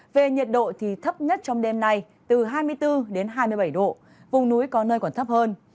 về nhiệt độ thì thấp nhất trong đêm nay từ hai mươi bốn đến hai mươi bảy độ vùng núi có nơi còn thấp hơn